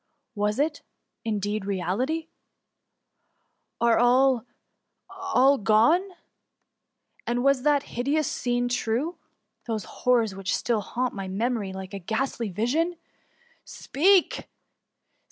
Was it^ indeed, reality ? Are all, all gone ? And was that hideous scene true ?— those horrors, which still haunt my memory like a ghastly vision ? Speak